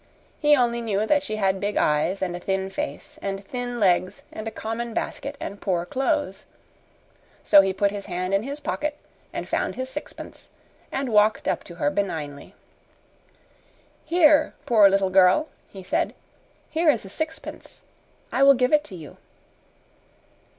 He only knew that she had big eyes and a thin face and thin legs and a common basket and poor clothes. So he put his hand in his pocket and found his sixpence and walked up to her benignly. "Here, poor little girl," he said. "Here is a sixpence. I will give it to you."